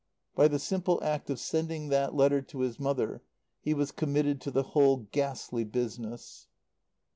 By the simple act of sending that letter to his mother he was committed to the whole ghastly business.